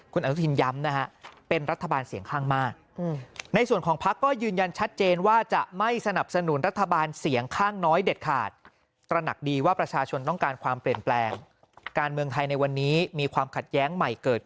คุณอนุทินย้ำนะครับเป็นรัฐบาลเสียงข้างมาก